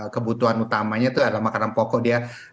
kebutuhan utamanya itu adalah makanan pokok dia